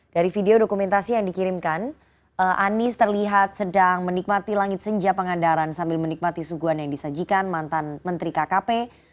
dari video dokumentasi yang dikirimkan anies terlihat sedang menikmati langit senja pangandaran sambil menikmati suguhan yang disajikan mantan menteri kkp